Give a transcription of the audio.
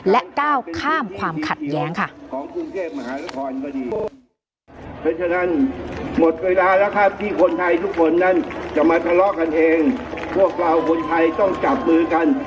และก้าวข้ามความขัดแย้งค่ะ